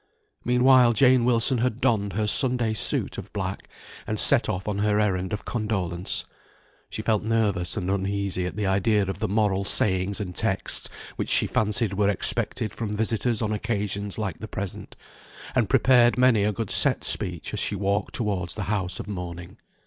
Meanwhile Jane Wilson had donned her Sunday suit of black, and set off on her errand of condolence. She felt nervous and uneasy at the idea of the moral sayings and texts which she fancied were expected from visitors on occasions like the present; and prepared many a good set speech as she walked towards the house of mourning.